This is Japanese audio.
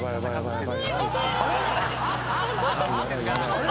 あれ？